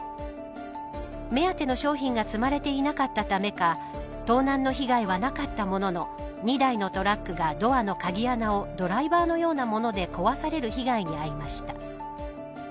目当ての商品が積まれていなかったためか盗難の被害はなかったものの２台のトラックがドアの鍵穴をドライバーのようなもので壊される被害に遭いました。